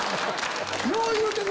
よう言うてくれた！